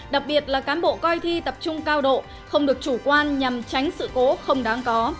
đặc biệt là cán bộ coi thi tập trung cao độ không được chủ quan nhằm tránh sự cố không đáng có